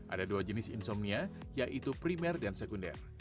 ada dua jenis insomnia yaitu primer dan sekunder